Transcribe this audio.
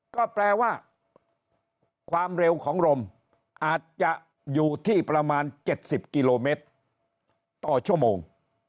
ก็แปลว่าความเร็วของลมอาจจะอยู่ที่ประมาณ๗๐กิโลเมตรต่อชั่วโมง